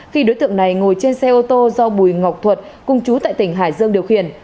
khi đối tượng này ngồi trên xe ô tô do bùi ngọc thuật cung chú tại tỉnh hải dương điều khiển